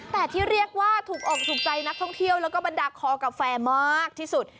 แต่ที่เรียกว่าถูกออกถูกใจนักท่องเที่ยวแล้วก็บรรดาคอกาแฟมากที่สุด